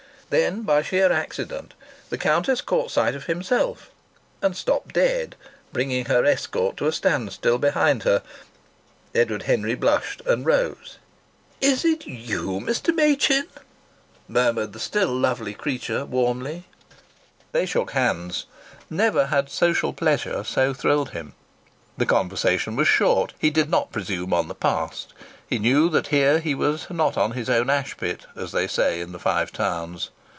Then, by sheer accident, the Countess caught sight of himself and stopped dead, bringing her escort to a standstill behind her. Edward Henry blushed and rose. "Is it you, Mr. Machin?" murmured the still lovely creature warmly. They shook hands. Never had social pleasure so thrilled him. The conversation was short. He did not presume on the past. He knew that here he was not on his own ashpit, as they say in the Five Towns.